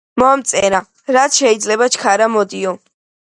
მომწერა, რაც შეიძლება ჩქარა მოდიო.